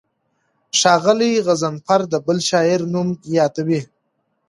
ښاغلی غضنفر د بل شاعر نوم یادوي.